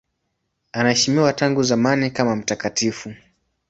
Anaheshimiwa tangu zamani kama mtakatifu.